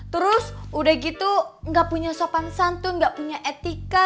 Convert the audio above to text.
terus udah gitu gak punya sopan santun gak punya etika